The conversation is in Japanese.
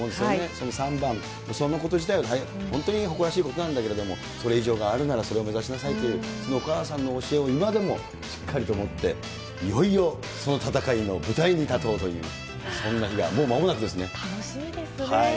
その、そんなこと自体が、本当に誇らしいことなんだけれども、それ以上があるなら、それを目指しなさいという、そのお母さんの教えを今でもしっかりと持って、いよいよその戦いの舞台に立とうという、そんな日が、楽しみですね。